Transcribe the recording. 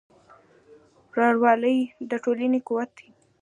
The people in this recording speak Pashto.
ورورولي د ټولنې قوت دی.